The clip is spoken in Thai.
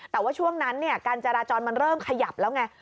แต่ว่าช่วงนั้นการจราจรมันเริ่มขยับแล้วไง